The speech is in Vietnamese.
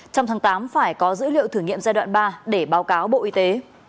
trong tháng tám phải có dữ liệu thử nghiệm giai đoạn ba để báo cáo bộ y tế